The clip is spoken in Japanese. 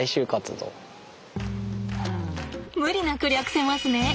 無理なく略せますね。